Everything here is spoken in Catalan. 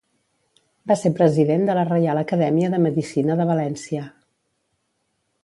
Va ser president de la Reial Acadèmia de Medicina de València.